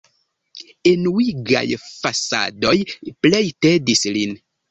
Enuigaj fasadoj plej tedis lin.